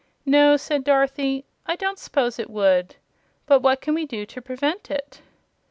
"No," said Dorothy, "I don't s'pose it would. But what can we do to prevent it?"